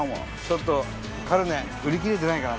ちょっとカルネ売り切れてないかな？